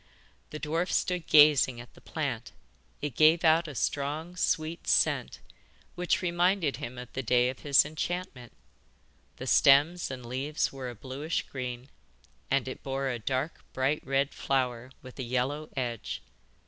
The dwarf stood gazing at the plant. It gave out a strong sweet scent, which reminded him of the day of his enchantment. The stems and leaves were a bluish green, and it bore a dark, bright red flower with a yellow edge.